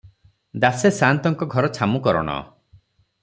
ଦାସେ ସା'ନ୍ତଙ୍କ ଘର ଛାମୁକରଣ ।